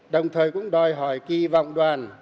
đồng thời cũng đòi hỏi kỳ vọng đoàn